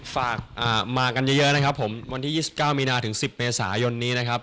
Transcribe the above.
ฝากมากันเยอะนะครับผมวันที่๒๙มีนาถึง๑๐เมษายนนี้นะครับ